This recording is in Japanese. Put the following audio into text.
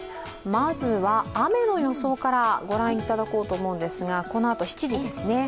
まずは雨の予想から御覧いただこうと思うんですが、このあと７時ですね。